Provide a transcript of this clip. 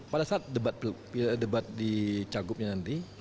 pada saat debat di cagupnya nanti